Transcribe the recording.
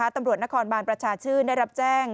ตนครบาร์ประชาชื่อได้รับแจ้ง